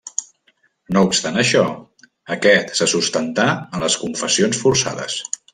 No obstant això, aquest se sustentà en les confessions forçades.